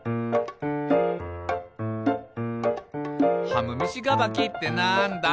「はむみしがばきってなんだ？」